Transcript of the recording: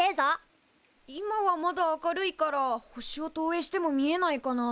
今はまだ明るいから星を投影しても見えないかな。